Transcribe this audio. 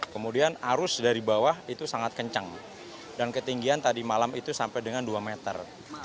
kemudian arus dari bawah itu sangat kencang dan ketinggian tadi malam itu sampai dengan dua meter